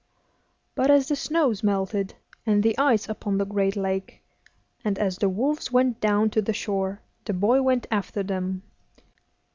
But at last the snows melted, and the ice upon the great lake, and as the wolves went down to the shore, the boy went after them.